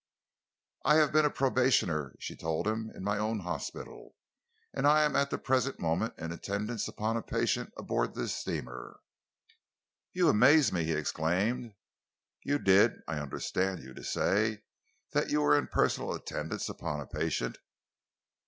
"I have been a probationer," she told him, "in my own hospital, and I am at the present moment in attendance upon a patient on board this steamer." "You amaze me!" he exclaimed. "You did I understand you to say that you were in personal attendance upon a patient?"